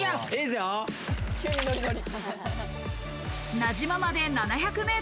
名島まで７００ｍ。